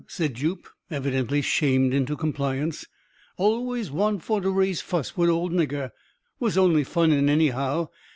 said Jup, evidently shamed into compliance; "always want for to raise fuss wid old nigger. Was only funnin, anyhow.